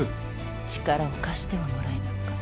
力を貸してはもらえぬか？